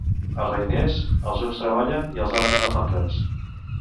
A Reiners, els uns treballen i els altres no fan res.